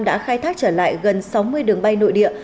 đã khai thác trở lại gần sáu mươi đường bay nội địa